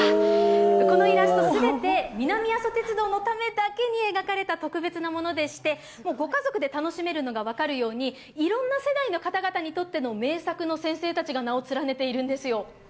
このイラスト、全て南阿蘇鉄道のためだけに描かれた特別なものでして、ご家族で楽しめるのが分かるようにいろんな世代の方々にとっての名作を描かれている方々が名を連ねているんですよ。